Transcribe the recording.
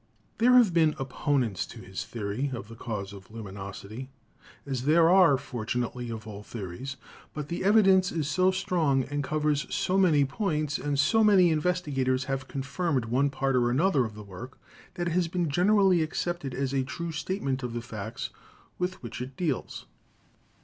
There have been opponents to this theory of the cause of luminosity — as there are, fortunately, of all theories — but the evidence is so strong and covers so many points, and so many investigators have confirmed one part, or an other of the work, that it has been generally accepted as a true statement of the facts with which it deals.